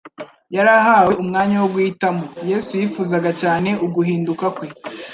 Yari ahawe umwanya wo guhitamo. Yesu, yifuzaga cyane uguhinduka kwe.